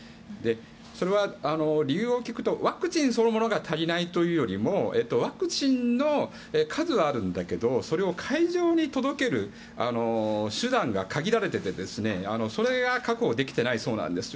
それは理由を聞くとワクチンそのものが足りないというよりもワクチンの数はあるんだけどそれを会場に届ける手段が限られていてそれが確保できていないそうなんですよ。